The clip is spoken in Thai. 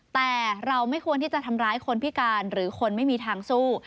แต่เราไม่ควรที่จะทำร้ายคนพิการหรือคนไม่มีทางสู้